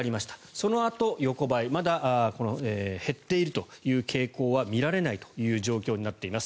そのあと横ばいまだ減っているという傾向は見られない状況になっています。